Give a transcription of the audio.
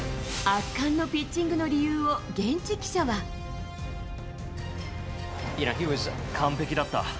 圧巻のピッチングの理由を現完璧だった。